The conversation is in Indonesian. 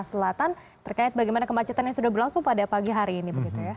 selatan terkait bagaimana kemacetan yang sudah berlangsung pada pagi hari ini